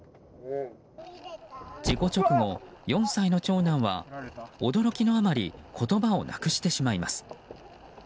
事故直後４歳の長男は驚きのあまり言葉をなくしてしまいます。